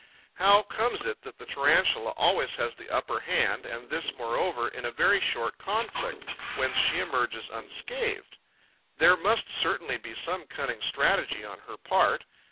How comes it that the Tarantula always has the upper hand and this moreover in a very short conflict, whence she emerges unscathed? There must certainly be some cunning strategy on her part.